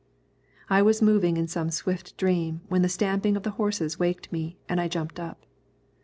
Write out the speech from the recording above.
I was moving in some swift dream when the stamping of the horses waked me and I jumped up.